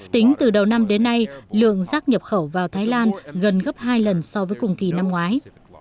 tính từ đầu năm đến nay lượng rác nhập khẩu vào thái lan gần gấp hai lần so với cùng kỳ năm ngoái